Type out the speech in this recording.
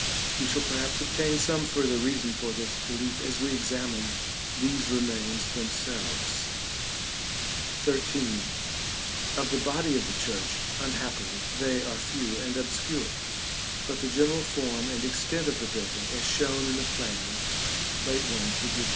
We shall perhaps obtain some further reason for this belief as we examine these remains themselves. § XIII. Of the body of the church, unhappily, they are few and obscure; but the general form and extent of the building, as shown in the plan, Plate I. fig.